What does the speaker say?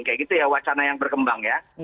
kayak gitu ya wacana yang berkembang ya